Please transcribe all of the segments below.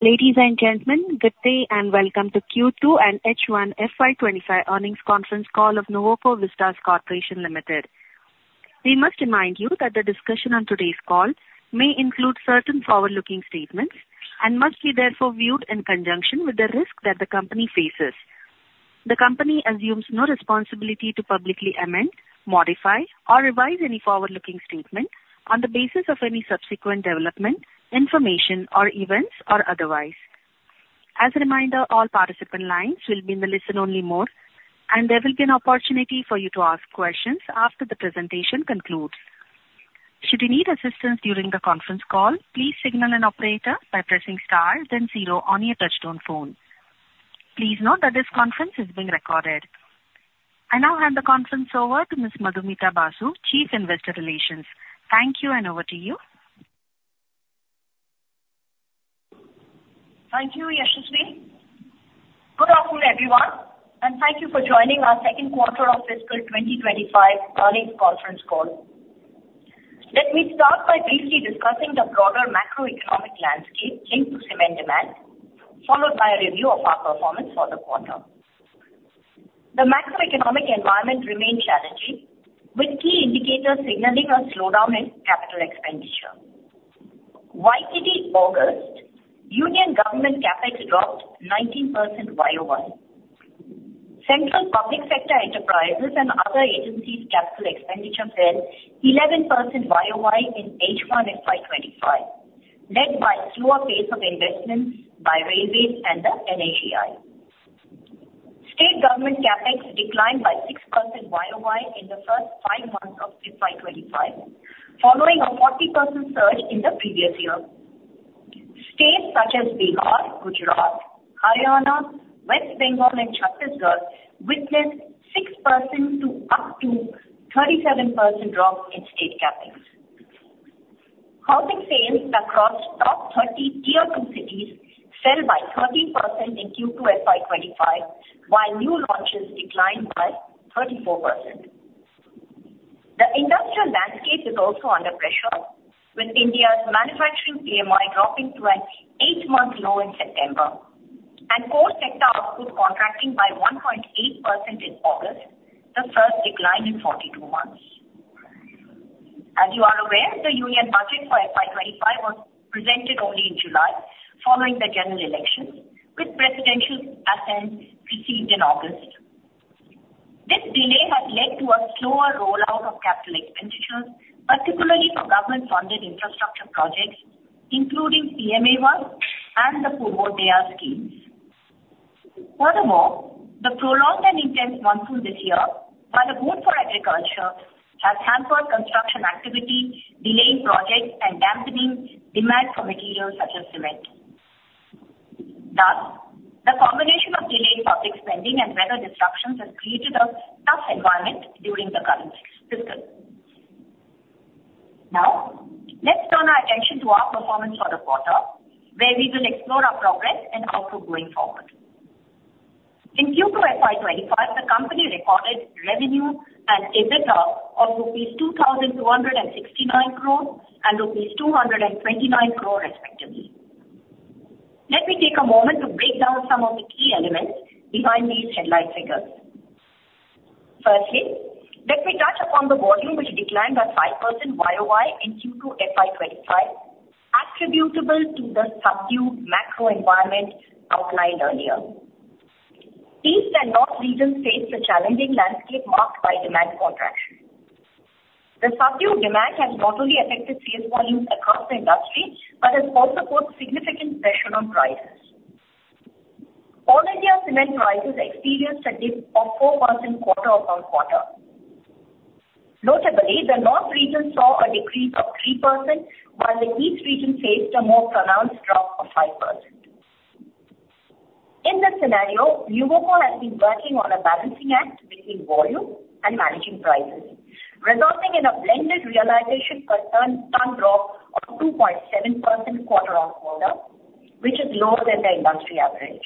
Ladies and gentlemen, good day and welcome to Q2 and H1 FY 2025 earnings conference call of Nuvoco Vistas Corporation Limited. We must remind you that the discussion on today's call may include certain forward-looking statements and must be therefore viewed in conjunction with the risk that the company faces. The company assumes no responsibility to publicly amend, modify, or revise any forward-looking statement on the basis of any subsequent development, information, or events, or otherwise. As a reminder, all participant lines will be in the listen-only mode, and there will be an opportunity for you to ask questions after the presentation concludes. Should you need assistance during the conference call, please signal an operator by pressing star then zero on your touch-tone phone. Please note that this conference is being recorded. I now hand the conference over to Ms. Madhumita Basu, Chief Investor Relations. Thank you, and over to you. Thank you, Yashasvi. Good afternoon, everyone, and thank you for joining our second quarter of fiscal 2025 earnings conference call. Let me start by briefly discussing the broader macroeconomic landscape linked to cement demand, followed by a review of our performance for the quarter. The macroeconomic environment remained challenging, with key indicators signaling a slowdown in capital expenditure. YTD August, Union Government CapEx dropped 19% YoY. Central public sector enterprises and other agencies' capital expenditure fell 11% YoY in H1 FY 2025, led by slower pace of investments by Railways and the NHAI. State government CapEx declined by 6% YoY in the first five months of FY 2025, following a 40% surge in the previous year. States such as Bihar, Gujarat, Haryana, West Bengal, and Chhattisgarh witnessed 6% to up to 37% drops in State CapEx. Housing sales across top 30 tier two cities fell by 13% in Q2 FY 2025, while new launches declined by 34%. The industrial landscape is also under pressure, with India's manufacturing PMI dropping to an eight-month low in September, and core sector output contracting by 1.8% in August, the first decline in 42 months. As you are aware, the Union Budget for FY 2025 was presented only in July, following the general elections, with Presidential Assent received in August. This delay has led to a slower rollout of capital expenditures, particularly for government-funded infrastructure projects, including PMAY work and the Purvodaya Schemes. Furthermore, the prolonged and intense monsoon this year, while a boon for agriculture, has hampered construction activity, delaying projects and dampening demand for materials such as cement. Thus, the combination of delayed public spending and weather disruptions has created a tough environment during the current system. Now, let's turn our attention to our performance for the quarter, where we will explore our progress and outlook going forward. In Q2 FY 2025, the company recorded revenue and EBITDA of rupees 2,269 crores and rupees 229 crores, respectively. Let me take a moment to break down some of the key elements behind these headline figures. Firstly, let me touch upon the volume, which declined by 5% YoY in Q2 FY 2025, attributable to the subdued macro environment outlined earlier. East and North regions face a challenging landscape marked by demand contraction. The subdued demand has not only affected sales volumes across the industry but has also put significant pressure on prices. All India's cement prices experienced a dip of 4% quarter-upon-quarter. Notably, the North region saw a decrease of 3%, while the East region faced a more pronounced drop of 5%. In this scenario, Nuvoco has been working on a balancing act between volume and managing prices, resulting in a blended realization per ton drop of 2.7% quarter-on-quarter, which is lower than the industry average.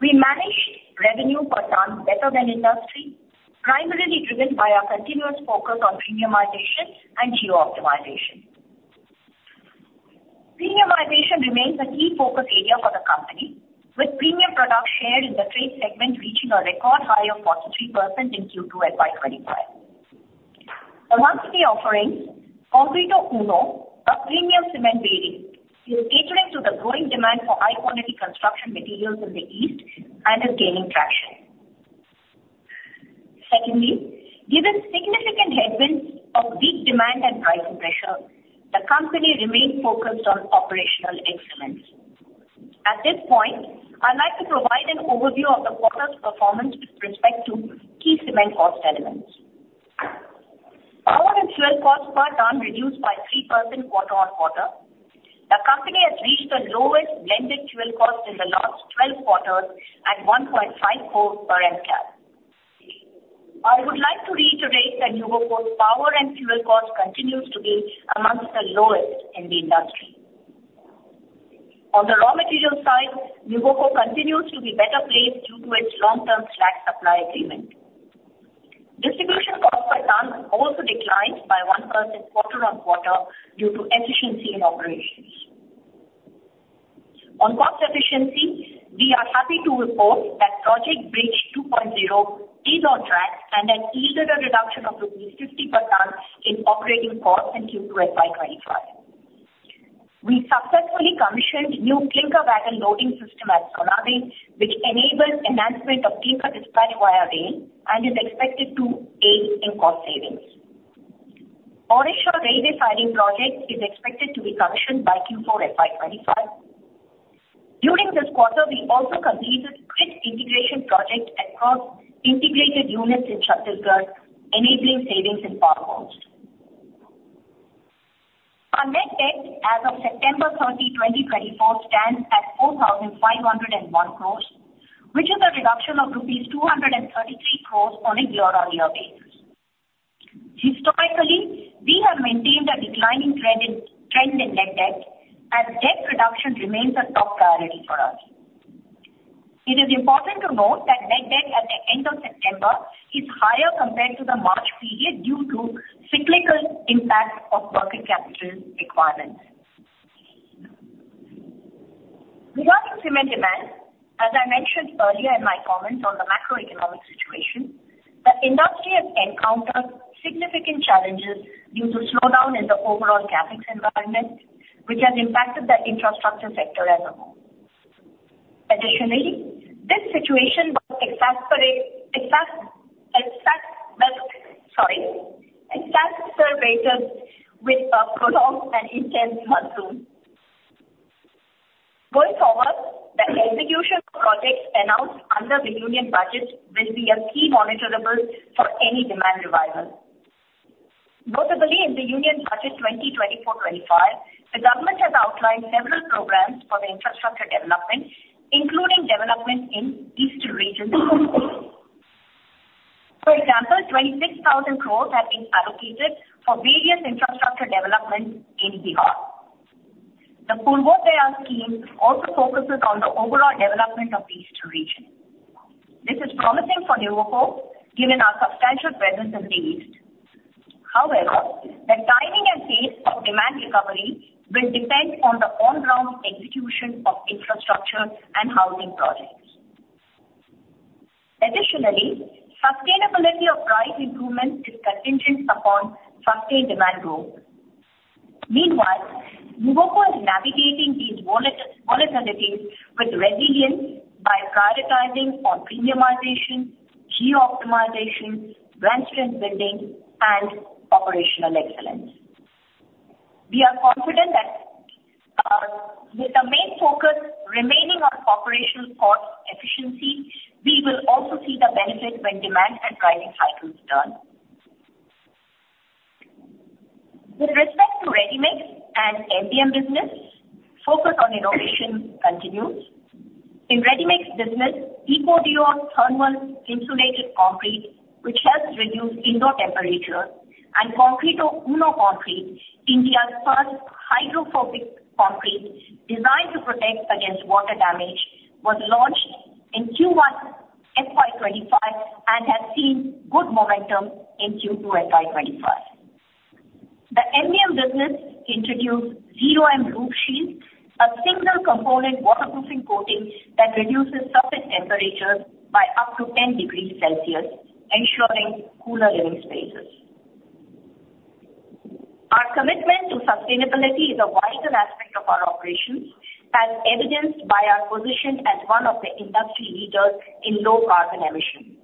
We managed revenue per ton better than industry, primarily driven by our continuous focus on premiumization and geo-optimization. Premiumization remains a key focus area for the company, with premium products share in the trade segment reaching a record high of 43% in Q2 FY 2025. Amongst the offerings, Concreto Uno, a premium cement brand, is catering to the growing demand for high-quality construction materials in the East and is gaining traction. Secondly, given significant headwinds of weak demand and pricing pressure, the company remains focused on operational excellence. At this point, I'd like to provide an overview of the quarter's performance with respect to key cement cost elements. Power and fuel costs per ton reduced by 3% quarter-on-quarter. The company has reached the lowest blended fuel cost in the last 12 quarters at 1.54 per Mcal. I would like to reiterate that Nuvoco's power and fuel cost continues to be among the lowest in the industry. On the raw materials side, Nuvoco continues to be better placed due to its long-term SLAC supply agreement. Distribution costs per ton also declined by 1% quarter-on-quarter due to efficiency in operations. On cost efficiency, we are happy to report that Project Bridge 2.0 is on track and has yielded a reduction of rupees 50 per ton in operating costs in Q2 FY 2025. We successfully commissioned new clinker wagon loading system at Sonadih, which enables enhancement of clinker dispatch via rail and is expected to aid in cost savings. Odisha railway siding project is expected to be commissioned by Q4 FY 2025. During this quarter, we also completed Grid Integration Project across integrated units in Chhattisgarh, enabling savings in power cost. Our net debt as of September 30, 2024, stands at 4,501 crores, which is a reduction of rupees 233 crores on a year-on-year basis. Historically, we have maintained a declining trend in net debt, as debt reduction remains a top priority for us. It is important to note that net debt at the end of September is higher compared to the March period due to cyclical impact of market capital requirements. Regarding cement demand, as I mentioned earlier in my comments on the macroeconomic situation, the industry has encountered significant challenges due to slowdown in the overall CapEx environment, which has impacted the infrastructure sector as a whole. Additionally, this situation was exacerbated with a prolonged and intense monsoon. Going forward, the execution of projects announced under the Union Budget will be a key monitorable for any demand revival. Notably, in the Union Budget 2024-2025, the government has outlined several programs for the infrastructure development, including development in eastern regions. For example, 26,000 crores has been allocated for various infrastructure developments in Bihar. The Purvodaya Scheme also focuses on the overall development of the eastern region. This is promising for Nuvoco, given our substantial presence in the East. However, the timing and pace of demand recovery will depend on the on-ground execution of infrastructure and housing projects. Additionally, sustainability of price improvements is contingent upon sustained demand growth. Meanwhile, Nuvoco is navigating these volatilities with resilience by prioritizing on premiumization, geo-optimization, branch strengthening, and operational excellence. We are confident that with the main focus remaining on operational cost efficiency, we will also see the benefit when demand and pricing cycles turn. With respect to ready mix and MBM business, focus on innovation continues. In ready mix business, Ecodure thermal insulated concrete, which helps reduce indoor temperature, and Concreto Uno concrete, India's first hydrophobic concrete designed to protect against water damage, was launched in Q1 FY 2025 and has seen good momentum in Q2 FY 2025. The MBM business introduced Zero M Roof Shield, a single-component waterproofing coating that reduces surface temperature by up to 10 degrees Celsius, ensuring cooler living spaces. Our commitment to sustainability is a vital aspect of our operations, as evidenced by our position as one of the industry leaders in low carbon emissions.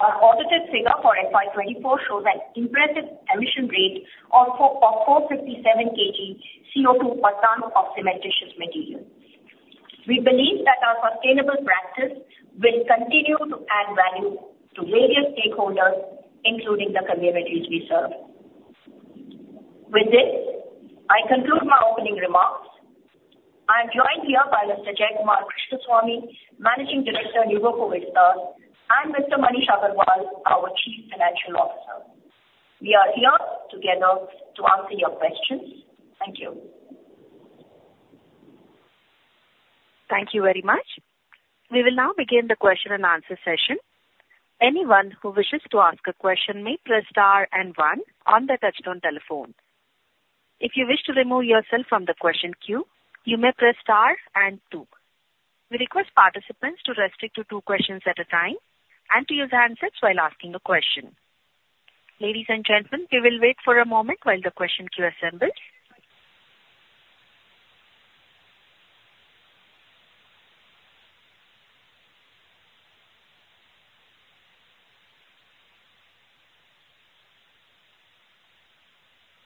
Our audited figure for FY 2024 shows an impressive emission rate of 457 kg CO2 per ton of cementitious material. We believe that our sustainable practice will continue to add value to various stakeholders, including the communities we serve. With this, I conclude my opening remarks. I am joined here by Mr. Jayakumar Krishnaswamy, Managing Director of Nuvoco Vistas, and Mr. Maneesh Agrawal, our Chief Financial Officer. We are here together to answer your questions. Thank you. Thank you very much. We will now begin the question-and-answer session. Anyone who wishes to ask a question may press star and one on the touch-tone telephone. If you wish to remove yourself from the question queue, you may press star and two. We request participants to restrict to two questions at a time and to use handsets while asking a question. Ladies and gentlemen, we will wait for a moment while the question queue assembles.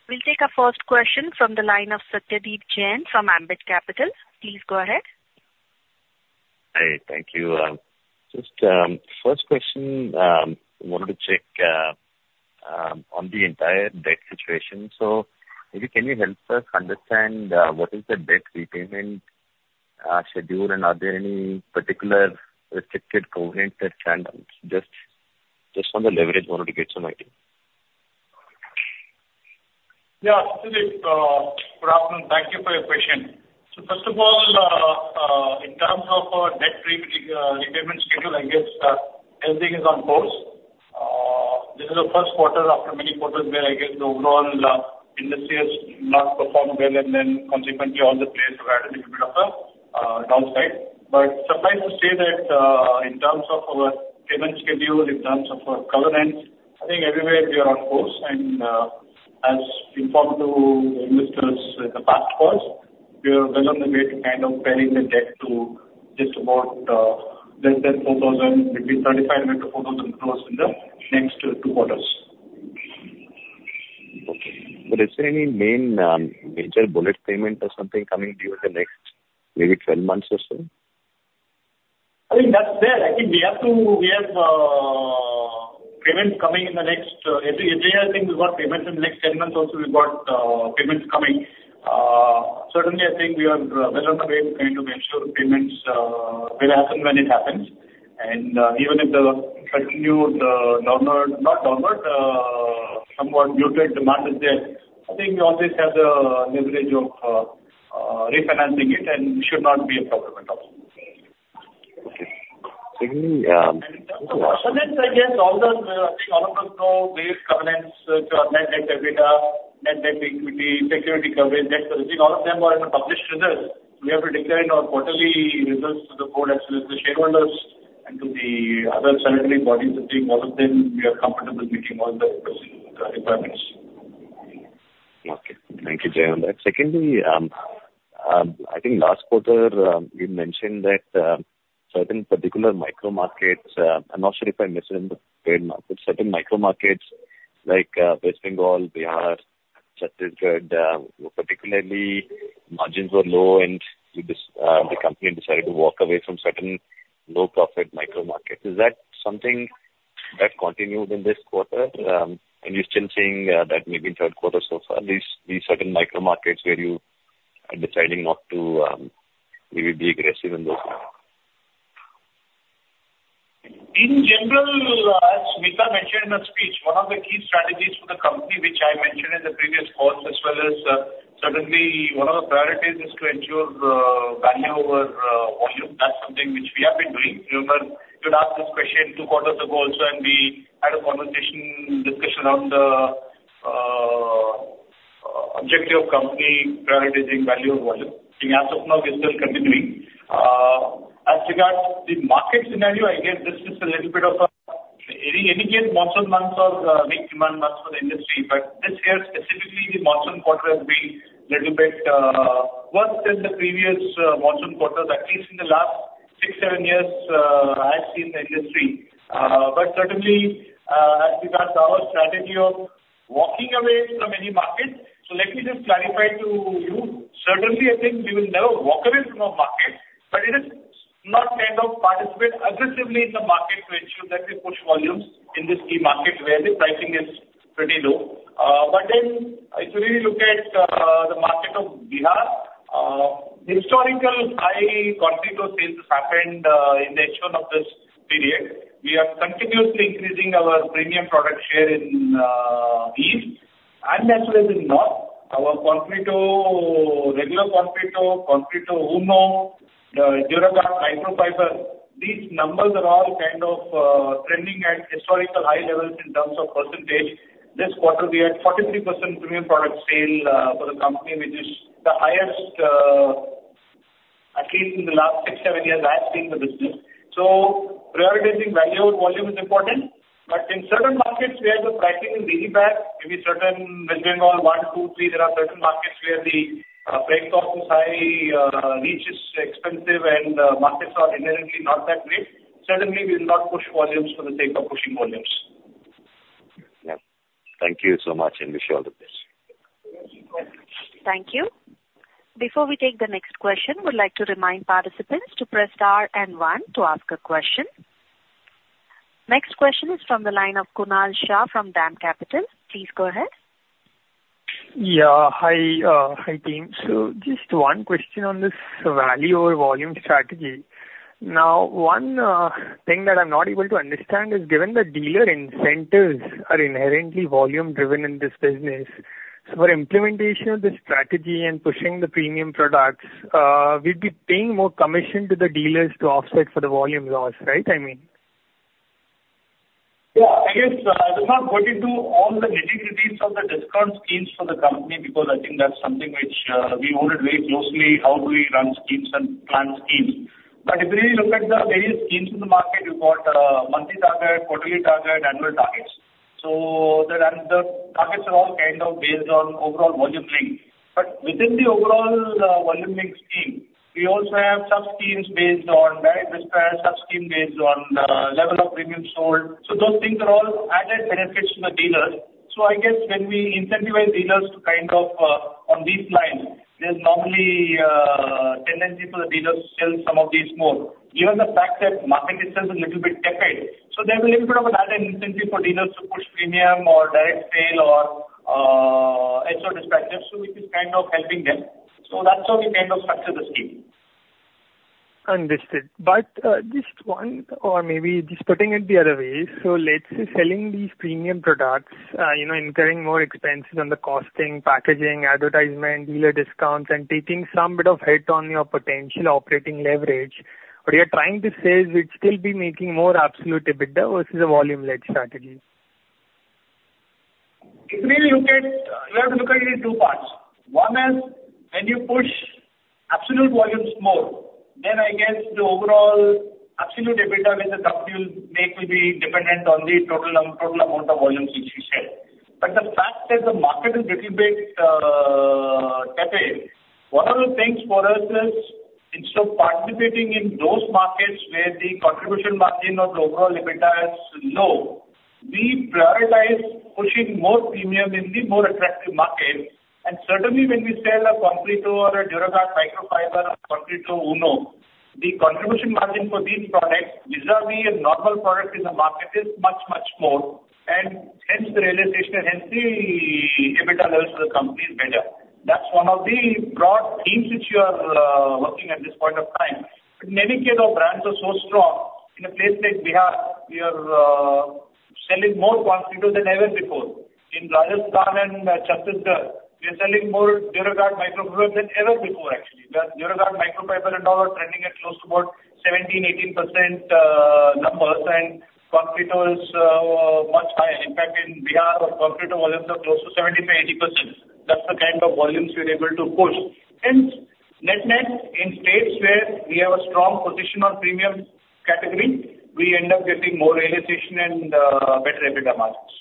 We'll take a first question from the line of Satyadeep Jain from Ambit Capital. Please go ahead. Hi, thank you. Just first question, I wanted to check on the entire debt situation. So maybe can you help us understand what is the debt repayment schedule, and are there any particular restricted covenants that can just on the leverage, wanted to get some idea. Yeah, absolutely. Good afternoon. Thank you for your question. So first of all, in terms of our debt repayment schedule, I guess everything is on course. This is the first quarter after many quarters where, I guess, the overall industry has not performed well, and then consequently, all the players have had a little bit of a downside. But suffice to say that in terms of our payment schedule, in terms of our governance, I think everywhere we are on course. And as informed to the investors in the past quarters, we are well on the way to kind of paring the debt to just about less than 4,000, between 3,500 crores-4,000 crores in the next two quarters. Okay. But is there any major bullet payment or something coming during the next maybe 12 months or so? I think that's there. I think we have payments coming in the next every year, I think we've got payments in the next 10 months. Also, we've got payments coming. Certainly, I think we are well on the way to kind of ensure payments will happen when it happens, and even if the continued downward, not downward, somewhat muted demand is there, I think we always have the leverage of refinancing it, and it should not be a problem at all. Okay. Certainly. In terms of governance, I guess all the, I think, all of those various covenants which are net debt to EBITDA, net debt-to-equity, security coverage, that sort of thing. All of them are in the published results. We have to declare in our quarterly results to the Board as well as the shareholders and to the other regulatory bodies. I think all of them, we are comfortable meeting all the requirements. Okay. Thank you, Jay on that. Secondly, I think last quarter, you mentioned that certain particular micro-markets, I'm not sure if I mentioned the trade markets, certain micro-markets like West Bengal, Bihar, Chhattisgarh, particularly margins were low, and the company decided to walk away from certain low-profit micro -markets. Is that something that continued in this quarter? And you're still seeing that maybe in third quarter so far, these certain micro-markets where you are deciding not to maybe be aggressive in those? In general, as Mita mentioned in the speech, one of the key strategies for the company, which I mentioned in the previous calls as well as certainly one of the priorities is to ensure value over volume. That's something which we have been doing. Remember, you had asked this question two quarters ago also, and we had a conversation discussion around the objective of company prioritizing value over volume. I think as of now, we're still continuing. As regards the market scenario, I guess this is a little bit of in any case, monsoon months are weak demand months for the industry. But this year, specifically, the monsoon quarter has been a little bit worse than the previous monsoon quarters, at least in the last six, seven years I've seen the industry. But certainly, as regards our strategy of walking away from any market, so let me just clarify to you. Certainly, I think we will never walk away from a market, but it is not kind of participate aggressively in the market to ensure that we push volumes in this key market where the pricing is pretty low. But then if you really look at the market of Bihar, historical high Concreto sales have happened in the action of this period. We are continuously increasing our premium product share in East and as well as in North. Our Concreto, regular Concreto, Concreto Uno, Duraguard Microfiber, these numbers are all kind of trending at historical high levels in terms of percentage. This quarter, we had 43% premium product sale for the company, which is the highest, at least in the last six, seven years I've seen the business. So prioritizing value over volume is important. But in certain markets where the pricing is really bad, maybe certain West Bengal, one, two, three, there are certain markets where the freight cost is high, reach is expensive, and markets are inherently not that great. Certainly, we will not push volumes for the sake of pushing volumes. Yeah. Thank you so much, and wish you all the best. Thank you. Before we take the next question, we'd like to remind participants to press star and one to ask a question. Next question is from the line of Kunal Shah from DAM Capital. Please go ahead. Yeah. Hi, team. So just one question on this value over volume strategy. Now, one thing that I'm not able to understand is given the dealer incentives are inherently volume-driven in this business, for implementation of the strategy and pushing the premium products, we'd be paying more commission to the dealers to offset for the volume loss, right? I mean. Yeah. I guess it's not going to all the nitty-gritties of the discount schemes for the company because I think that's something which we monitor very closely, how do we run schemes and plan schemes. But if you really look at the various schemes in the market, we've got monthly target, quarterly target, annual targets. So the targets are all kind of based on overall volume link. But within the overall volume link scheme, we also have sub-schemes based on direct dispatch, sub-scheme based on the level of premium sold. So those things are all added benefits to the dealers. So I guess when we incentivize dealers to kind of on these lines, there's normally tendency for the dealers to sell some of these more. Given the fact that market itself is a little bit tepid, so there's a little bit of an added incentive for dealers to push premium or direct sale or SO dispatches, which is kind of helping them. So that's how we kind of structure the scheme. Understood. But just one or maybe just putting it the other way, so let's say selling these premium products, incurring more expenses on the costing, packaging, advertisement, dealer discounts, and taking some bit of hit on your potential operating leverage, what you're trying to say is we'd still be making more absolute EBITDA versus a volume-led strategy? If you really look at it, you have to look at it in two parts. One is when you push absolute volumes more, then I guess the overall absolute EBITDA with the company will be dependent on the total amount of volumes which we sell. But the fact that the market is a little bit tepid, one of the things for us is instead of participating in those markets where the contribution margin of the overall EBITDA is low, we prioritize pushing more premium in the more attractive market. And certainly, when we sell a Concreto or a Duraguard Microfiber, a Concreto Uno, the contribution margin for these products, vis-à-vis a normal product in the market, is much, much more. And hence the realization and hence the EBITDA levels for the company are better. That's one of the broad themes which we are working at this point of time. But in any case, our brands are so strong. In a place like Bihar, we are selling more Concreto than ever before. In Rajasthan and Chhattisgarh, we are selling more Duraguard Microfiber than ever before, actually. Duraguard Microfiber and all are trending at close to about 17%-18% numbers, and Concreto is much higher. In fact, in Bihar, Concreto volumes are close to 75%-80%. That's the kind of volumes we're able to push. Hence, net net in states where we have a strong position on premium category, we end up getting more realization and better EBITDA margins.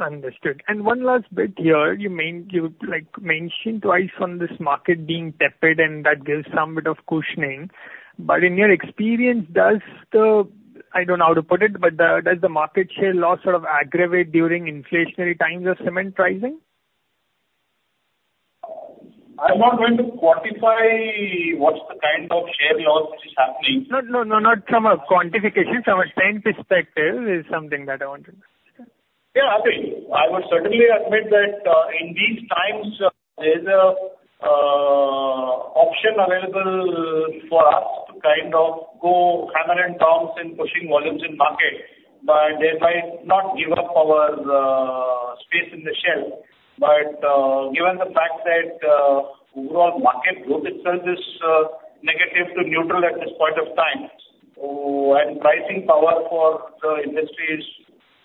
Understood. And one last bit here. You mentioned twice on this market being tepid, and that gives some bit of cushioning. But in your experience, does the—I don't know how to put it—but does the market share loss sort of aggravate during inflationary times or cement pricing? I'm not going to quantify what's the kind of share loss which is happening. No, no, no. Not from a quantification. From a time perspective is something that I wanted to understand. Yeah. I would certainly admit that in these times, there's an option available for us to kind of go hammer and tongs in pushing volumes in market, but thereby not give up our space in the shelf. Given the fact that overall market growth itself is negative to neutral at this point of time, and pricing power for the industry is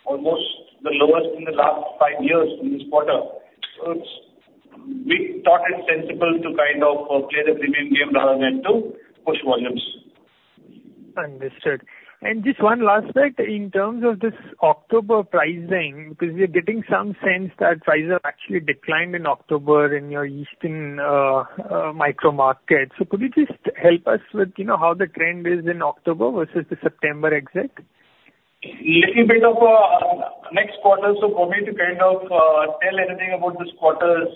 almost the lowest in the last five years in this quarter, we thought it's sensible to kind of play the premium game rather than to push volumes. Understood. And just one last bit. In terms of this October pricing, because we are getting some sense that prices have actually declined in October in your Eastern micro-markets. So could you just help us with how the trend is in October versus the September exit? A little bit on next quarter, so for me to kind of tell anything about this quarter is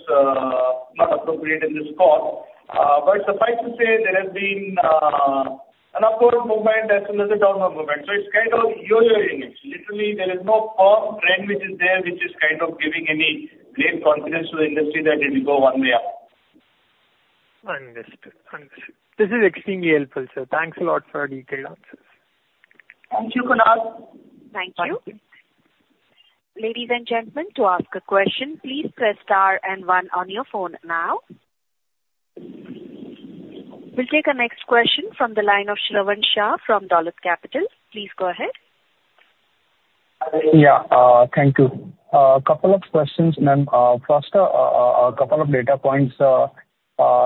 not appropriate in this call, but suffice to say, there has been an upward movement as well as a downward movement, so it's kind of yo-yo image. Literally, there is no firm trend, which is kind of giving any great confidence to the industry that it will go one way up. Understood. Understood. This is extremely helpful, sir. Thanks a lot for the detailed answers. Thank you, Kunal. Thank you. Ladies and gentlemen, to ask a question, please press star and one on your phone now. We'll take a next question from the line of Shravan Shah from Dolat Capital. Please go ahead. Yeah. Thank you. A couple of questions. First, a couple of data points.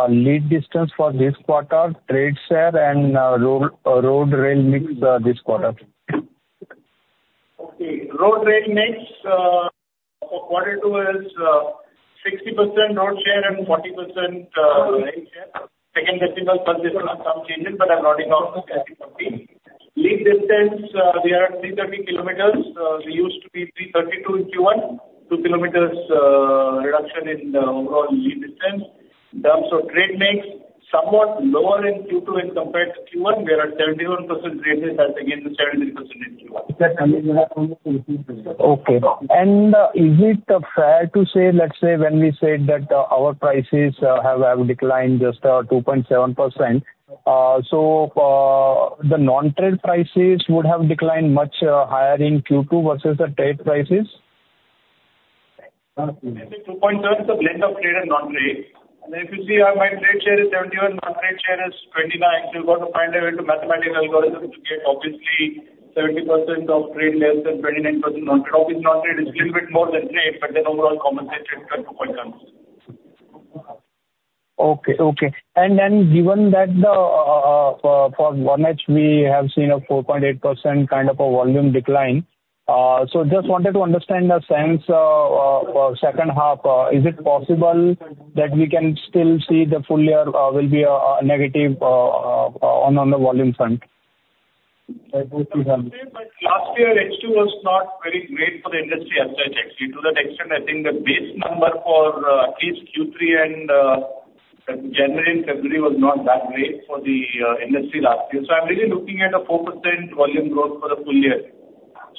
Lead distance for this quarter, trade share, and road/rail mix this quarter. Okay. Road/rail mix, for quarter two, is 60% road share and 40% rail share. Second decimal, some changes, but I'm not in all the specificity. Lead distance, we are at 330 km. We used to be 332 in Q1. 2 km reduction in the overall lead distance. In terms of trade mix, somewhat lower in Q2 when compared to Q1. We are at 71% trade mix. That's again 73% in Q1. Okay. And is it fair to say, let's say, when we said that our prices have declined just 2.7%, so the non-trade prices would have declined much higher in Q2 versus the trade prices? 2.7% net of trade and non-trade. And then if you see how my trade share is 71%, non-trade share is 29%, you've got to find a way to mathematical algorithm to get obviously 70% of trade less than 29% non-trade. Obviously, non-trade is a little bit more than trade, but then overall compensated at 2.7%. Okay. And then, given that for 1H, we have seen a 4.8% kind of a volume decline, so just wanted to understand the sense for second half, is it possible that we can still see the full year will be a negative on the volume front? Last year, H2 was not very great for the industry as such, actually. To that extent, I think the base number for at least Q3 and January and February was not that great for the industry last year. So I'm really looking at a 4% volume growth for the full year.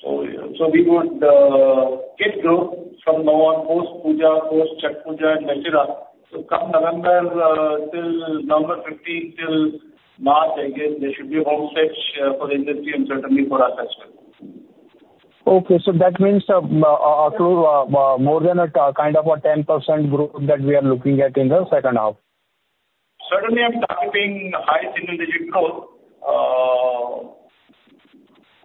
So we would get growth from November post-Puja, post-Chhath Puja, and Dussehra. So come November till November 15th till March, I guess there should be a home stretch for the industry and certainly for us as well. Okay, so that means more than a kind of a 10% growth that we are looking at in the second half? Certainly, I'm targeting high single-digit growth.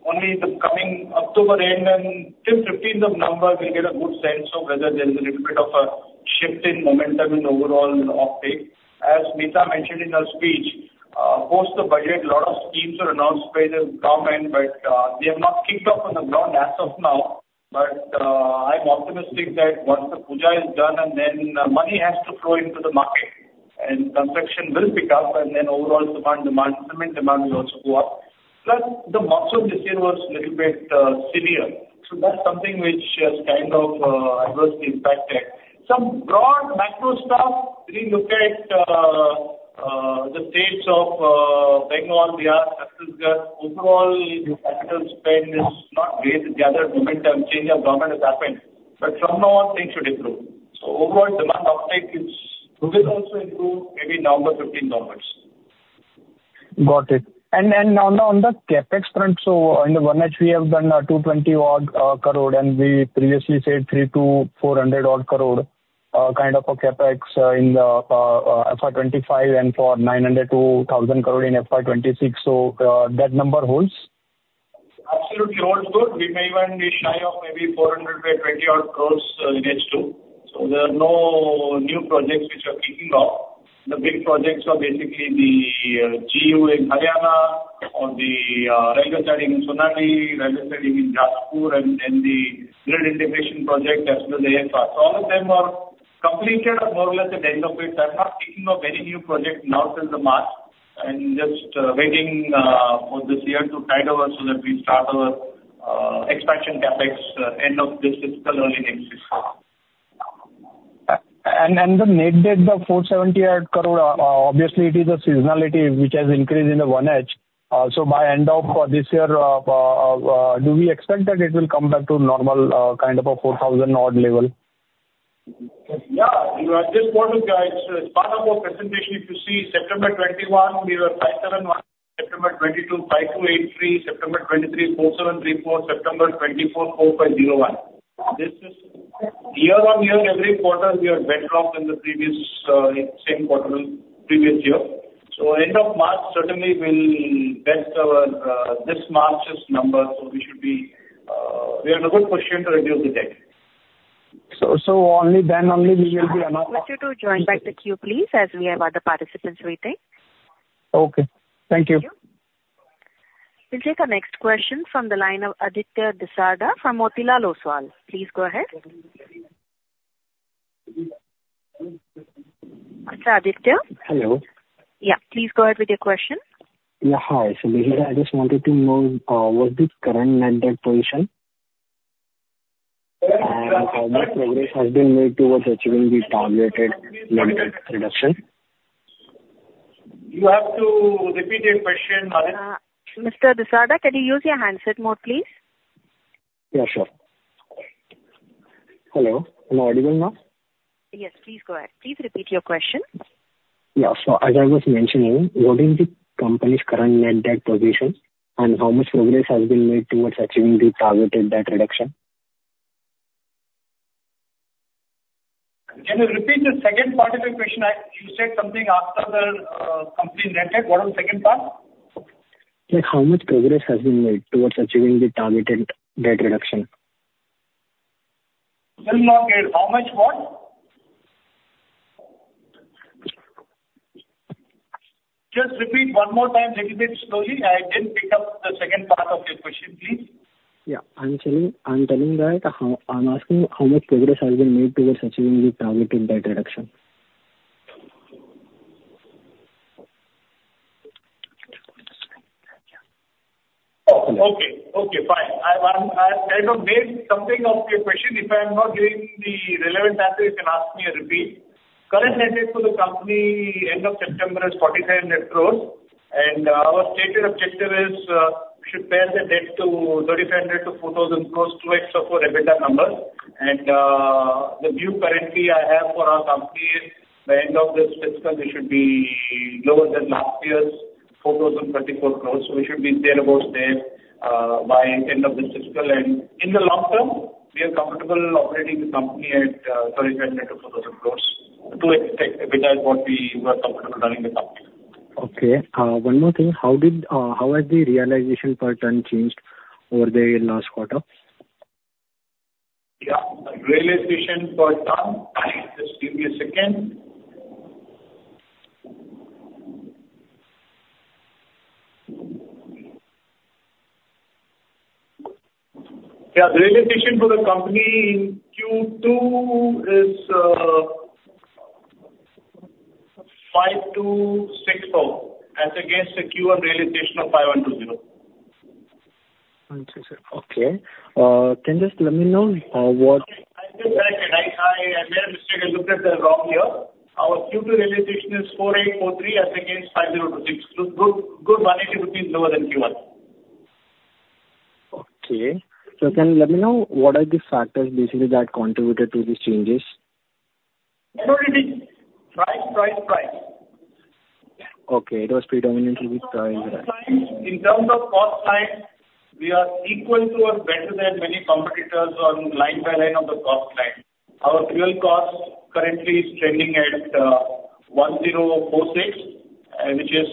Only the coming October end and till 15th of November, we'll get a good sense of whether there's a little bit of a shift in momentum in the overall uptake. As Mita mentioned in her speech, post the budget, a lot of schemes are announced by the government, but they have not kicked off on the ground as of now. But I'm optimistic that once the Puja is done and then money has to flow into the market and construction will pick up, and then overall demand, demand, cement demand will also go up. Plus, the monsoon this year was a little bit severe. So that's something which has kind of adversely impacted. Some broad macro stuff, if you look at the states of Bengal, Bihar, Chhattisgarh, overall capital spend is not great. The other momentum change of government has happened. But from now on, things should improve. So overall demand uptake will also improve maybe November 15th onwards.. Got it. And on the CapEx front, so in the ongoing, we have done 220-odd crores, and we previously said 300 crores-400-odd crores kind of a CapEx in the FY 2025 and for 900 crore-1,000 crore in FY 2026. So that number holds? Absolutely holds good. We may even be shy of maybe 400 crore by 420-odd crores in H2. So there are no new projects which are kicking off. The big projects are basically the GU in Haryana, or the Railway Siding in Sonadih, Railway Siding in Jajpur, and then the Grid Integration Project as well as AFR. So all of them are completed at more or less the end of the year. I'm not kicking off any new project now till the March and just waiting for this year to tide over so that we start our expansion CapEx end of this fiscal early next fiscal. And the net debt of 470-odd crore, obviously, it is a seasonality which has increased in the 1H. So by end of this year, do we expect that it will come back to normal kind of a 4,000-odd level? Yeah. At this quarter, guys, as part of our presentation, if you see September 2021, we were 5718. September 2022, 5283. September 2023, 4734. September 2024, 4501. This is year-on-year, every quarter, we are better off than the previous same quarter, previous year. So end of March certainly will beat our this March's number. So we should be. We are in a good position to reduce the debt. So only then we will be another. I want you to join back the queue, please, as we have other participants waiting. Okay. Thank you. Thank you. We'll take a next question from the line of Aditya Desarda from Motilal Oswal. Please go ahead. Mr. Aditya? Hello. Yeah. Please go ahead with your question. Yeah. Hi. So basically, I just wanted to know, what's the current net debt position, and how much progress has been made towards achieving the targeted net debt reduction? You have to repeat your question. Mr. Desarda, can you use your handset mode, please? Yeah. Sure. Hello. Can you hear me now? Yes. Please go ahead. Please repeat your question. Yeah. So as I was mentioning, what is the company's current net debt position and how much progress has been made towards achieving the targeted net reduction? Can you repeat the second part of your question? You said something after the company net debt. What was the second part? Like how much progress has been made towards achieving the targeted net reduction? Still not clear. How much, what? Just repeat one more time, repeat it slowly. I didn't pick up the second part of your question, please. Yeah. I'm telling that I'm asking how much progress has been made towards achieving the targeted net reduction. Okay. Okay. Fine. I've kind of made something of your question. If I'm not giving the relevant answer, you can ask me a repeat. Current net debt for the company end of September is 4,700 crores. And our stated objective is we should pare the debt to 3,500 crores-4,000 crores, 3.5x-4x EBITDA numbers. And the view currently I have for our company is by end of this fiscal, we should be lower than last year's 4,034 crores. So we should be thereabouts by end of this fiscal. And in the long term, we are comfortable operating the company at 3,500 crores-4,000 crores, 3x-4x EBITDA. That is what we were comfortable running the company. Okay. One more thing. How has the realization per ton changed over the last quarter? Yeah. Realization per ton. Just give me a second. Yeah. The realization for the company in Q2 is 5,264 as against the Q1 realization of 5,120. Okay. Okay. Can you just let me know what? I'm just back. I made a mistake. I looked at the wrong year. Our Q2 realization is INR 4,843 as against 5,026. Good, good. INR 180 lower than Q1. Okay. So can you let me know what are the factors basically that contributed to these changes? Price, price, price. Okay. It was predominantly price. In terms of cost line, we are equal to or better than many competitors on line by line of the cost line. Our fuel cost currently is trending at 1,046, which is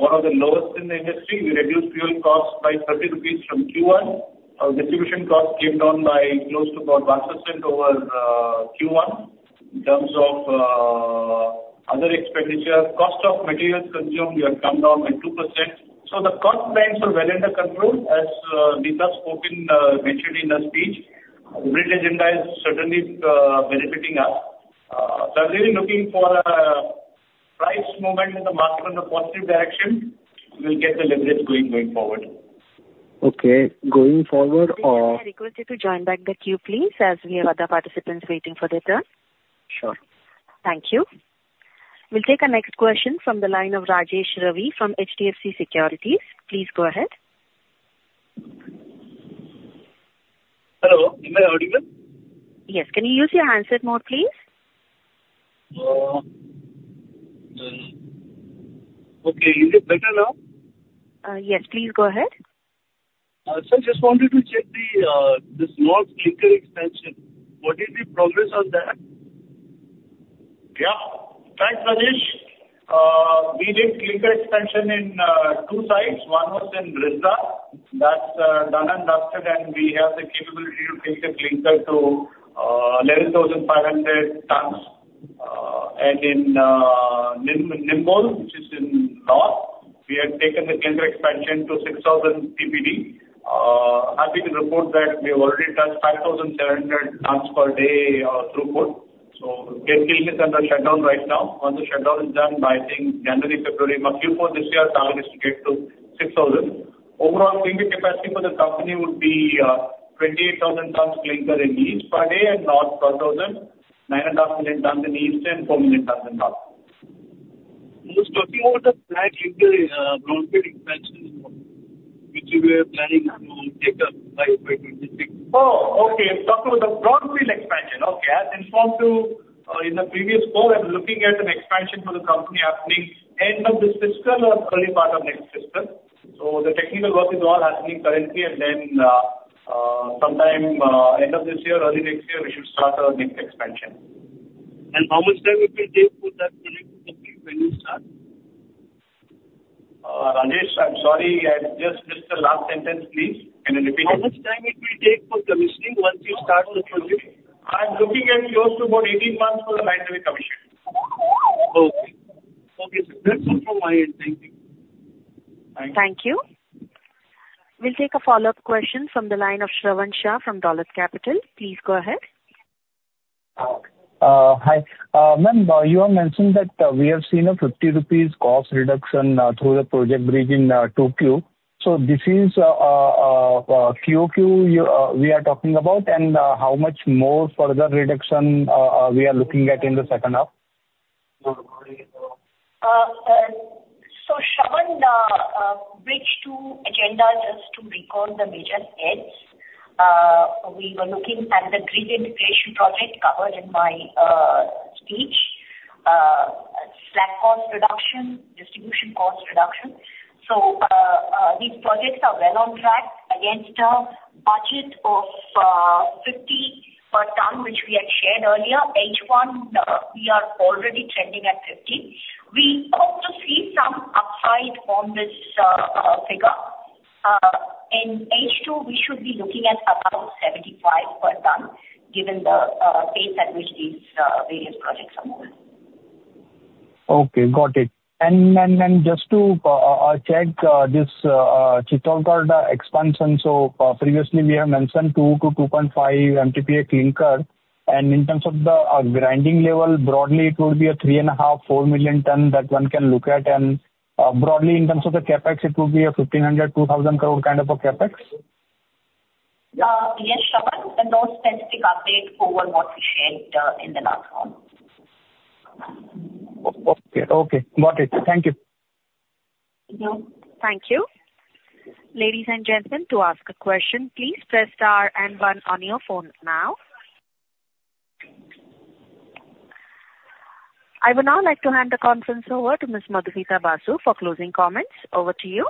one of the lowest in the industry. We reduced fuel cost by 30 rupees from Q1. Our distribution cost came down by close to about 1% over Q1. In terms of other expenditure, cost of materials consumed, we have come down by 2%. So the cost lines are well under control as Mita spoke and mentioned in her speech. The BRIDGE agenda is certainly benefiting us. So I'm really looking for a price movement in the market in a positive direction. We'll get the leverage going forward. Okay. Going forward or? Aditya, I request you to join back the queue, please, as we have other participants waiting for their turn. Sure. Thank you. We'll take a next question from the line of Rajesh Ravi from HDFC Securities. Please go ahead. Hello. Can you hear me? Yes. Can you use your handset mode, please? Okay. Is it better now? Yes. Please go ahead. Sir, just wanted to check this North Clinker expansion. What is the progress on that? Yeah. Thanks, Rajesh. We did Clinker expansion in two sites. One was in Risda. That's done and dusted, and we have the capability to take the Clinker to 11,500 tons. And in Nimbol, which is in North, we have taken the Clinker expansion to 6,000 TPD. Happy to report that we have already touched 5,700 tons per day throughput. So Grid Integration is under shutdown right now. Once the shutdown is done, by I think January, February, Q4 this year, target is to get to 6,000. Overall, Clinker capacity for the company would be 28,000 tons Clinker in East per day and North 12,000, 9.5 million tons in East, and 4 million tons in North. Was talking about the slag clinker brownfield expansion in North, which you are planning to take up by 2026. Talking about the brownfield expansion. As informed to you in the previous call, I'm looking at an expansion for the company happening end of this fiscal or early part of next fiscal. So the technical work is all happening currently, and then sometime end of this year, early next year, we should start our next expansion. How much time it will take for that project to complete when you start? Rajesh, I'm sorry. Just the last sentence, please. Can you repeat it? How much time it will take for commissioning once you start the project? I'm looking at close to about 18 months for the timeline for commissioning. Okay. Okay. That's all from my end. Thank you. Thank you. Thank you. We'll take a follow-up question from the line of Shravan Shah from Dolat Capital. Please go ahead. Hi. Ma'am, you have mentioned that we have seen a 50 rupees cost reduction through Project BRIDGE 2.0. So this is QoQ we are talking about, and how much more further reduction are we looking at in the second half? Shravan, BRIDGE 2.0 agenda just to record the major heads. We were looking at the Grid Integration Project covered in my speech, Slag cost reduction, distribution cost reduction. These projects are well on track against a budget of 50 per ton, which we had shared earlier. In H1, we are already trending at IINR 50. We hope to see some upside on this figure. In H2, we should be looking at about 75 per ton given the pace at which these various projects are moving. Okay. Got it. And just to check this Chittorgarh expansion, so previously we have mentioned 2-2.5 MTPA Clinker, and in terms of the grinding level, broadly, it would be a 3.5-4 million ton that one can look at. And broadly, in terms of the CapEx, it would be a 1,500 crore-2,000 crore kind of a CapEx? Yes, Shravan. And those specific updates over what we shared in the last call. Okay. Okay. Got it. Thank you. Thank you. Ladies and gentlemen, to ask a question, please press star and run on your phone now. I would now like to hand the conference over to Ms. Madhumita Basu for closing comments. Over to you.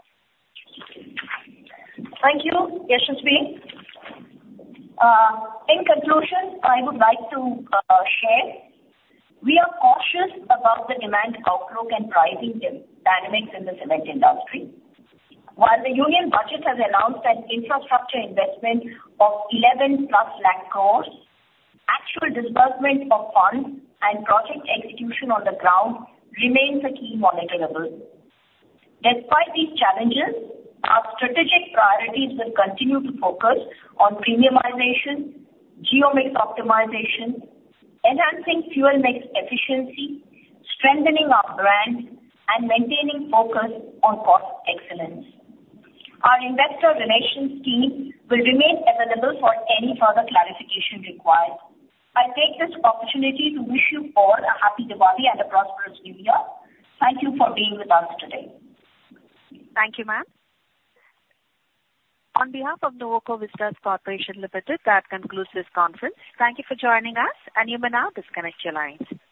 Thank you. Yashasvi. In conclusion, I would like to share we are cautious about the demand outlook and pricing dynamics in the cement industry. While the union budget has announced an infrastructure investment of +11 lakh crores, actual disbursement of funds and project execution on the ground remains a key monitorable. Despite these challenges, our strategic priorities will continue to focus on premiumization, geomix optimization, enhancing fuel mix efficiency, strengthening our brand, and maintaining focus on cost excellence. Our investor relations team will remain available for any further clarification required. I take this opportunity to wish you all a happy Diwali and a prosperous New Year. Thank you for being with us today. Thank you, ma'am. On behalf of Nuvoco Vistas Corporation Limited, that concludes this conference. Thank you for joining us, and you may now disconnect your lines.